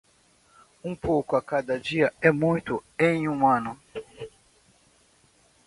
Um pouco a cada dia é muito em um ano.